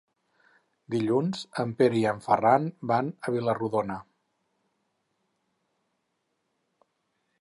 Dilluns en Pere i en Ferran van a Vila-rodona.